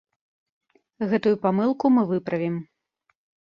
Гэтую памылку мы выправім.